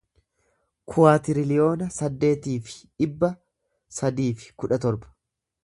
kuwaatiriliyoona saddeetii fi dhibba sadii fi kudha torba